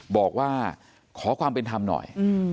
บอกว่าขอความเป็นธรรมหน่อย